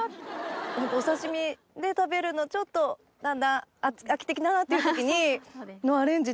お刺身で食べるのちょっとだんだん飽きてきたなっていう時のアレンジで。